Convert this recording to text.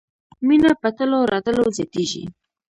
مینه په تلو راتلو زیاتیږي.